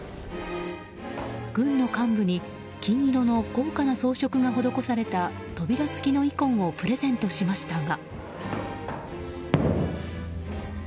軍の幹部に金色の豪華な装飾が施された扉付きのイコンをプレゼントしましたが。